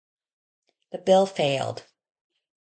The bill failed.